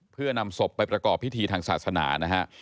เพื่อนำศพไปประกอบพิธีทางศาสนานะฮะ